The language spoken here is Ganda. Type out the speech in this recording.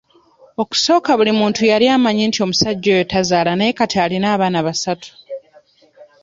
Okusooka buli muntu yali amanyi nti omusajja oyo tazaala naye kati alina abaana basatu.